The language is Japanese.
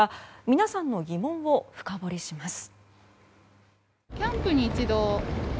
皆さんの疑問を深掘りします。